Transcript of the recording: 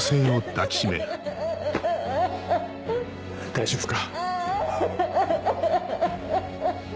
大丈夫か？